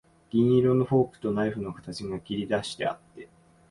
銀色のフォークとナイフの形が切りだしてあって、